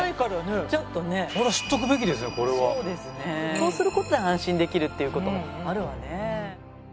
そうする事で安心できるっていう事もあるわね。